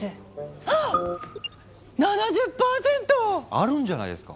あるんじゃないですか！